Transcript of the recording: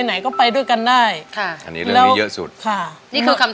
สามีก็ต้องพาเราไปขับรถเล่นดูแลเราเป็นอย่างดีตลอดสี่ปีที่ผ่านมา